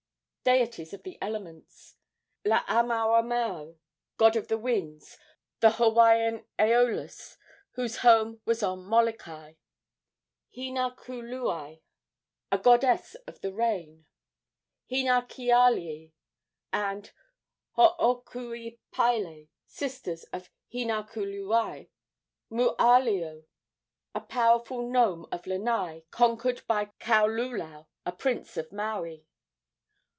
Deities of the Elements. Laamaomao, god of the winds, the Hawaiian Æolus, whose home was on Molokai. Hinakuluiau, a goddess of the rain. Hinakealii and Hookuipaele, sisters of Hinakuluiau. Mooaleo, a powerful gnome of Lanai, conquered by Kaululaau, a prince of Maui.